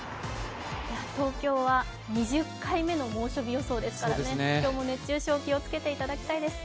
東京は２０回目の猛暑日予想ですから今日も熱中症気をつけていただきたいです。